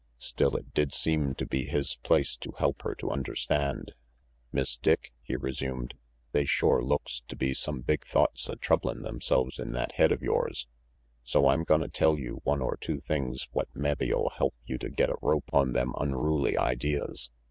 Still, it did seem to be his place to help her to understand. "Miss Dick," he resumed, "they shore looks to be some big thoughts a troublin' themselves in that head of yores, so I'm gonna tell you one or two things what mabbe'll help you to get a rope on them unruly ideas.